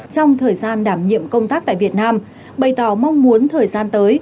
trong thời gian đảm nhiệm công tác tại việt nam bày tỏ mong muốn thời gian tới